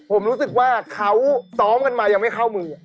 ผมรู้สึกว่าเขาซ้อมกันมายังไม่เข้ามือ